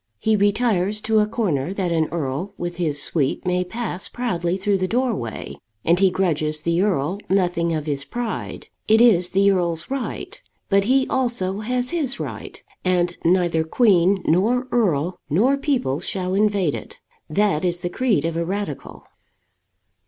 He retires to a corner that an earl with his suite may pass proudly through the doorway, and he grudges the earl nothing of his pride. It is the earl's right. But he also has his right; and neither queen, nor earl, nor people shall invade it. That is the creed of a radical.